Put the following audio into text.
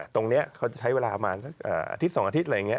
ตรงนี้เขาจะใช้เวลาประมาณอาทิตย์๒มิลลิเมตรอะไรเงี้ย